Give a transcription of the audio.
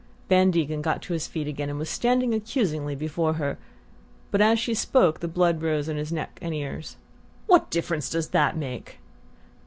Van Degen had got to his feet again and was standing accusingly before her; but as she spoke the blood rose to his neck and ears. "What difference does that make?"